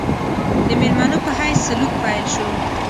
د مېلمنو په حیث سلوک پیل شو.